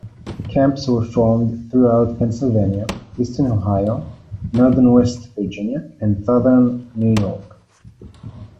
Camps were formed throughout Pennsylvania, Eastern Ohio, Northern West Virginia and Southern New York.